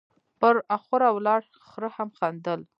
، پر اخوره ولاړ خره هم خندل،